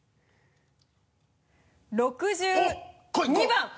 ６２番。